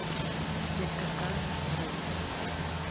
Дзядзька скажа, што рабіць.